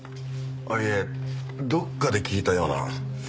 いえどこかで聞いたような。